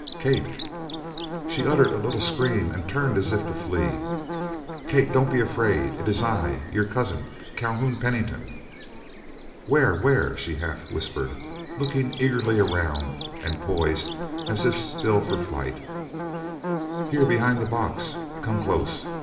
"Kate!" She uttered a little scream and turned as if to flee. "Kate, don't be afraid. It is I, your cousin Calhoun Pennington." "Where? Where?" she half whispered, looking eagerly around and poised as if still for flight. "Here behind the box. Come close.